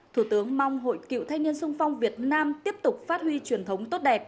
thủ tướng mong hội cựu thanh niên sung phong việt nam tiếp tục phát huy truyền thống tốt đẹp